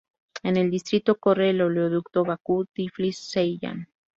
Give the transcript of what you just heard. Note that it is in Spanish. En el distrito corre el oleoducto Bakú-Tiflis-Ceyhan.